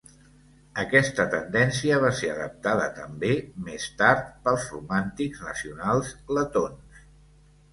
Aquesta tendència va ser adaptada també, més tard, pels romàntics nacionals letons.